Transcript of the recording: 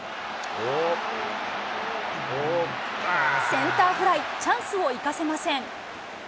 センターフライ、チャンスを生かせません。